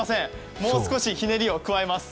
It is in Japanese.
もう少しひねりを加えます。